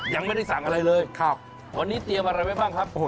ยังไม่ได้สั่งอะไรเลยครับวันนี้เตรียมอะไรไว้บ้างครับ